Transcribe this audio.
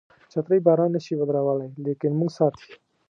چترۍ باران نشي ودرولای لیکن موږ ساتي.